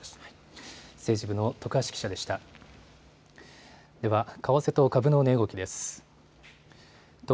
政治部の徳橋記者でした。